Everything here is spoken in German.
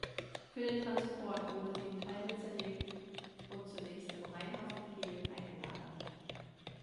Für den Transport wurde sie in Teile zerlegt und zunächst im Rheinhafen Kehl eingelagert.